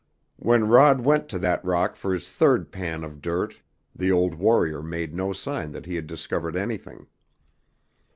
When Rod went to that rock for his third pan of dirt the old warrior made no sign that he had discovered anything.